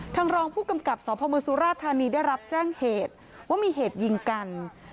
รองผู้กำกับสพมสุราธานีได้รับแจ้งเหตุว่ามีเหตุยิงกัน